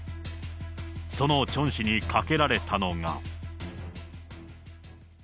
そのチョン氏にかけられたのが。